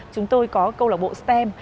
chúng tôi có câu lạc bộ stem